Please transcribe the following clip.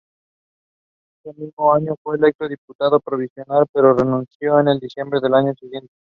Ese mismo año fue electo diputado provincial, pero renunció en diciembre del año siguiente.